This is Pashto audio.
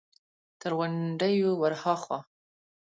تر غونډيو ور هاخوا!